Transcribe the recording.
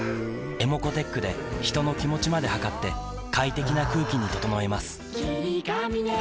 ｅｍｏｃｏーｔｅｃｈで人の気持ちまで測って快適な空気に整えます